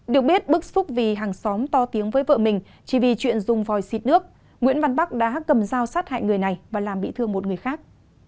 được biết bức xúc vì hàng xóm to tiếng với vợ mình chỉ vì chuyện dùng vòi xịt nước nguyễn văn bắc đã cầm dao sát hại người này và làm bị thương một người khác